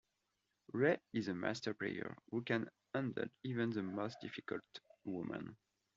Ray is a "Master Player" who can handle even the most difficult women.